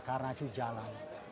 karna itu jalan